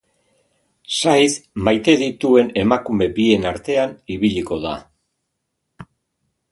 Said maite dituen emakume bien artean ibiliko da.